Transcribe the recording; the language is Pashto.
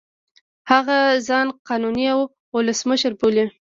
هغه ځان قانوني اولسمشر بولي.